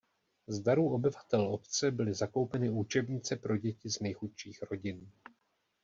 Z darů obyvatel obce byly zakoupeny učebnice pro děti z nejchudších rodin.